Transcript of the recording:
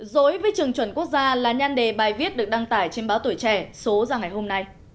dối với trường chuẩn quốc gia là nhan đề bài viết được đăng tải trên báo tuổi trẻ số ra ngày hôm nay